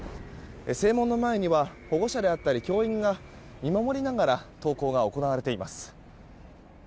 正門の前では保護者であったり教員が見守りながら登校が行われています。